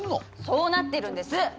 そうなってるんです！